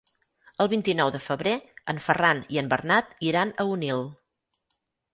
El vint-i-nou de febrer en Ferran i en Bernat iran a Onil.